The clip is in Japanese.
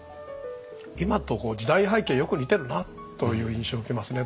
今と時代背景よく似てるなという印象を受けますね。